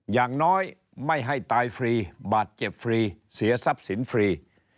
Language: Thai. อย่างน้อยไม่ให้ตายฟรีบาดเจ็บฟรีเสียทรัพย์สินฟรี